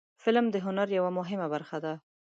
فلم د هنر یوه مهمه برخه ده